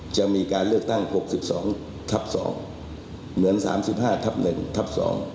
จะมีการเลือกตั้ง๖๒ทับ๒เหมือน๓๕ทับ๑ทับ๒